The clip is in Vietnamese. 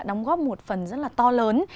đóng góp một phần rất là to lớn